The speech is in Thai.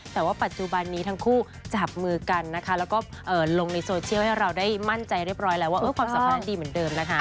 แต่ว่าปัจจุบันนี้ทั้งคู่จับมือกันนะคะแล้วก็ลงในโซเชียลให้เราได้มั่นใจเรียบร้อยแล้วว่าความสัมพันธ์นั้นดีเหมือนเดิมนะคะ